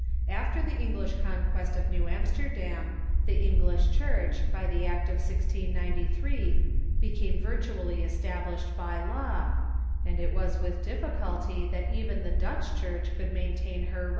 After the English conquest of New Amsterdam the English Church, by the act of 1693, became virtually established b}^ law,* and it was with difficulty that even the Dutch Church could maintain * Dr. E.